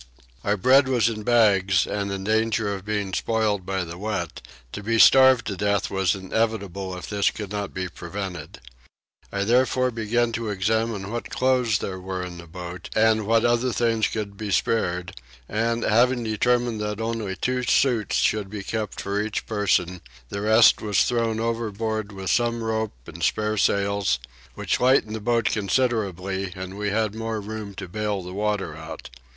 Our bread was in bags and in danger of being spoiled by the wet: to be starved to death was inevitable if this could not be prevented: I therefore began to examine what clothes there were in the boat and what other things could be spared and, having determined that only two suits should be kept for each person, the rest was thrown overboard with some rope and spare sails, which lightened the boat considerably, and we had more room to bale the water out.